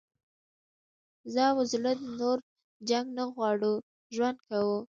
زه او زړه نور جنګ نه غواړو ژوند کوو.